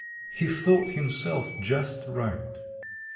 He thought himself just right.